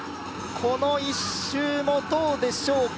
この１周もどうでしょうか